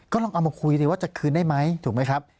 ลองเอามาคุยสิว่าจะคืนได้ไหมถูกไหมครับ